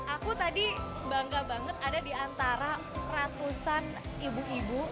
aku tadi bangga banget ada di antara ratusan ibu ibu